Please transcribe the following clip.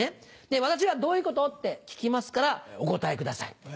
私が「どういうこと？」って聞きますからお答えください。